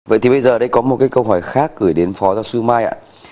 vậy thì bây giờ đây có một cái câu hỏi khác gửi đến phó giáo sư mai ạ